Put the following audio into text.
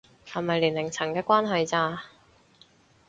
係咪年齡層嘅關係咋